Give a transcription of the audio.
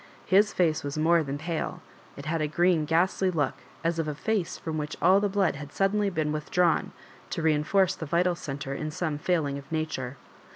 His face was more than pale, it had a green ghastly look, as of a face from which all the blood had suddenly been withdrawn to reinforce the vital centre in some failing of nature.